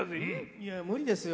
いや無理ですよ